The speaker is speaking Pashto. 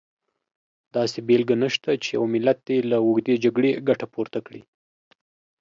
داسې بېلګه نشته چې یو ملت دې له اوږدې جګړې ګټه پورته کړي.